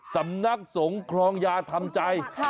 สำนักสงครองยาทำใจ